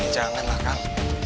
jangan lah kal